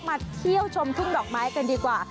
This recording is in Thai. มาเที่ยวชมทุ่งดอกไม้กันดีกว่า